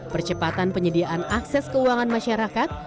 percepatan penyediaan akses keuangan masyarakat